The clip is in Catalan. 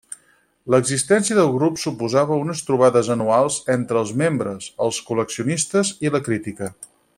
L'existència del grup suposava unes trobades anuals entre els membres, els col·leccionistes i la crítica.